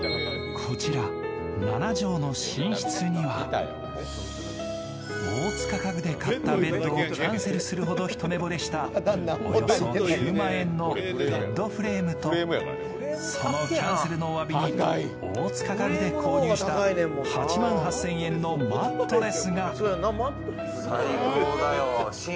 こちら、７畳の寝室には大塚家具で買ったベッドをキャンセルするほど一目ぼれしたおよそ９万円のベッドフレームとそのキャンセルのおわびに大塚家具で購入した８万８０００円のマットレス。